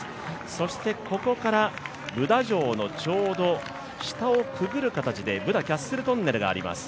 そしてここからブダ城のちょうど下をくぐる形で、ブダ・キャッスル・トンネルがあります。